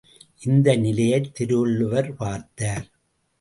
இந்த நிலையைத் திருவள்ளுவர் பார்த்தார்.